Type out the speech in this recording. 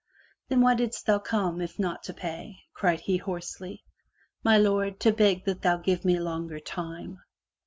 "Then why didst thou come if not to pay? cried he hoarsely. "My lord, to beg thee that thou give me longer time.'